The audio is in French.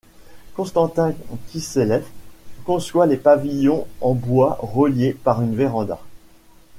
Konstantin Kiseleff conçoit les pavillons en bois reliés par une véranda.